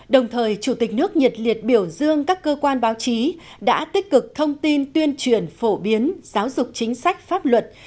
đồng thời chủ tịch nước nhiệt liệt biểu dương các cơ quan báo chí đã tích cực thông tin tuyên truyền phổ biến giáo dục chính sách pháp luật